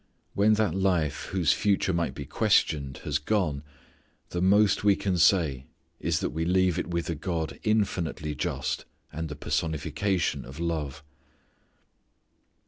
When that life whose future might be questioned has gone the most we can say is that we leave it with a God infinitely just and the personification of love.